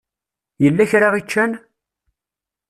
Yella kra i ččan?